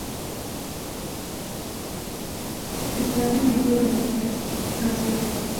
Esta en el libro de animales graciosos.